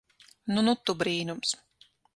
Nu nu tu brīnums.